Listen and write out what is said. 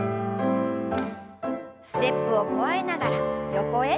ステップを加えながら横へ。